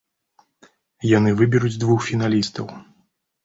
Яны выберуць двух фіналістаў.